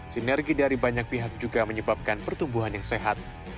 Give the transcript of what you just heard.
sinergi dari banyak pihak juga menyebabkan pertumbuhan yang sehat